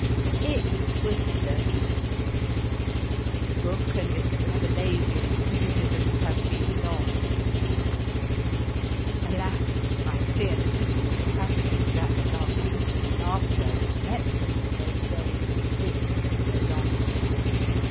It was thirty years ago. The book and its Rabelaisian criticisms have been long since forgotten. Alas ! I fear that even the capacity for that Gargantuan laughter which met them, in those days, exists no longer.